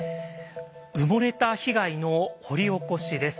「埋もれた被害の掘り起こし」です。